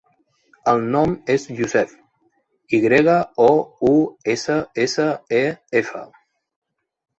El nom és Youssef: i grega, o, u, essa, essa, e, efa.